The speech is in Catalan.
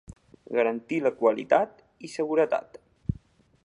Garantir la qualitat i seguretat.